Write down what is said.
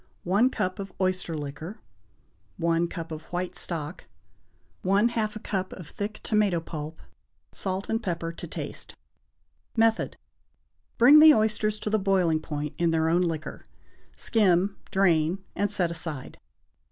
1 cup of oyster liquor. 1 cup of white stock. 1/2 a cup of thick tomato pulp. Salt and pepper to taste. Method. Bring the oysters to the boiling point in their own liquor, skim, drain, and set aside.